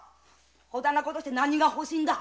ほだんな事して何が欲しいんだ？